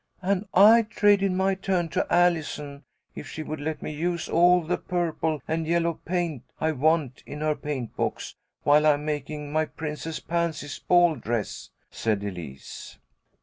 "And I traded my turn to Allison, if she would let me use all the purple and yellow paint I want in her paint box, while I am making my Princess Pansy's ball dress," said Elise.